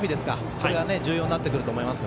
これが重要になってくると思います。